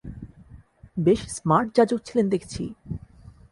বেশ স্মার্ট যাজক ছিলেন দেখছি?